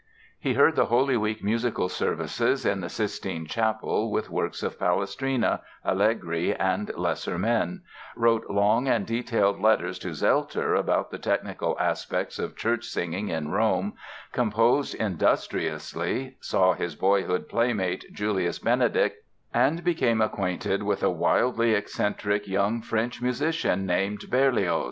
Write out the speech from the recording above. He heard the Holy Week musical services in the Sistine Chapel with works of Palestrina, Allegri and lesser men; wrote long and detailed letters to Zelter about the technical aspects of church singing in Rome, composed industriously, saw his boyhood playmate Julius Benedict and became acquainted with a wildly eccentric young French musician named Berlioz.